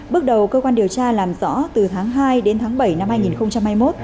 bước đầu cơ quan điều tra làm rõ từ tháng hai đến tháng bảy năm hai nghìn hai mươi một